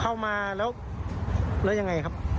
เข้ามาแล้วยังไงครับ